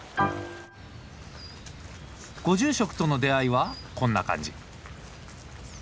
ご住職との出会いはこんな感じ。